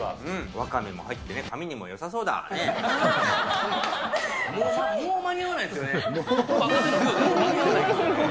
ワカメも入って髪にもよさそもう間に合わないっすよね。